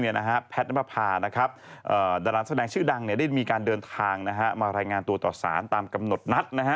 แพทย์น้ำประพานะครับดาราแสดงชื่อดังได้มีการเดินทางมารายงานตัวต่อสารตามกำหนดนัดนะฮะ